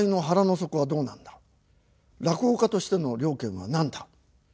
落語家としての了見は何だ？